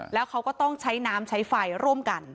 แล้วเขาก็ต้องใช้น้ำใช้ไฟร่วมกัน